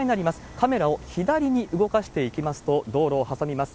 カメラを左に動かしていきますと、道路を挟みます。